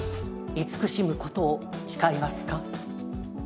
慈しむ事を誓いますか？